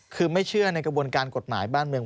คือไม่เชื่อในกระบวนการกฎหมายบ้านเมือง